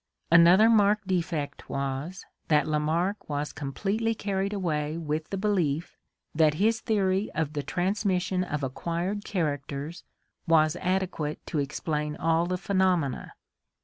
Another marked defect was, that Lamarck was completely carried away with the belief that his theory of the transmission of acquired characters was adequate to explain all the phenomena.